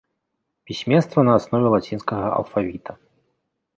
Пісьменства на аснове лацінскага алфавіта.